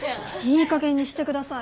いいかげんにしてください。